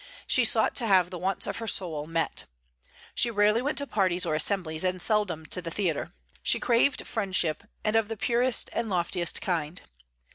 She sought to have the wants of her soul met. She rarely went to parties or assemblies, and seldom to the theatre. She craved friendship, and of the purest and loftiest kind.